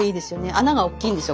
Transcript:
穴がおっきいんですよ